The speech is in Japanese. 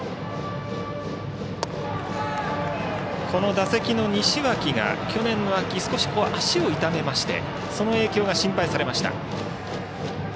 この打席の西脇が、去年の秋少し足を痛めましてその影響が心配されました。